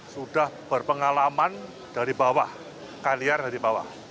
sudah berpengalaman dari bawah kalian dari bawah